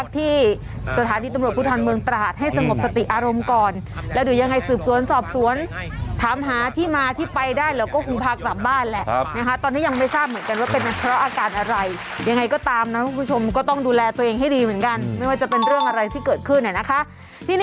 ทีนี้ต้องควบคุมตัวแล้วว่ารักษด